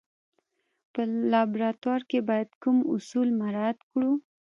په لابراتوار کې باید کوم اصول مراعات کړو.